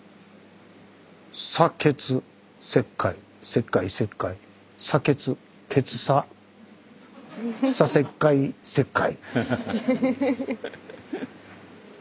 砂けつ石灰石灰石灰砂・けつけつ砂砂・石灰石灰。